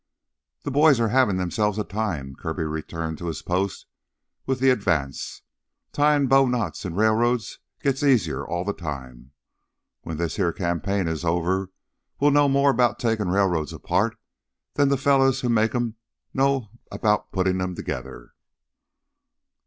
"The boys are havin' themselves a time." Kirby returned to his post with the advance. "Tyin' bowknots in rails gits easier all the time. When this heah campaign is over, we'll know more 'bout takin' railroads apart then the fellas who make 'em know 'bout puttin' 'em together."